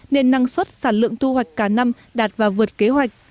nên năng suất sản lượng thu hoạch cả năm đạt và vượt kế hoạch